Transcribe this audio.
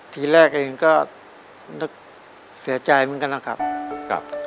ทีแรกเองก็นึกเสียใจเหมือนกันนะครับ